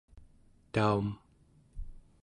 taum